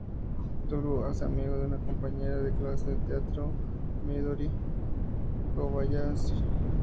Toru se hace amigo de una compañera de clase de teatro, Midori Kobayashi.